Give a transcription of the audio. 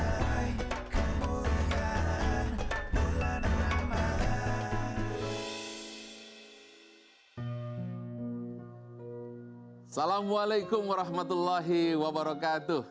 assalamualaikum warahmatullahi wabarakatuh